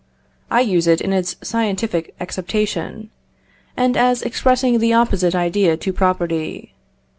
I use it in its scientific acceptation, and as expressing the opposite idea to property.